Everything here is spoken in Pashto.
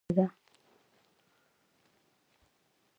لسمه پوښتنه د سازمان د تعریف په اړه ده.